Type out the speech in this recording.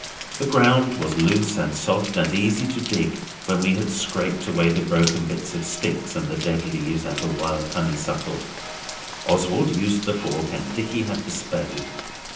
The ground was loose and soft and easy to dig when we had scraped away the broken bits of sticks and the dead leaves and the wild honeysuckle; Oswald used the fork and Dicky had the spade.